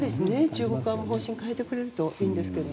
中国側も方針を変えてくれるといいんですが。